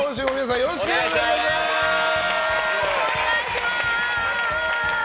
よろしくお願いします。